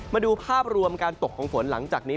มาดูภาพรวมการตกของฝนหลังจากนี้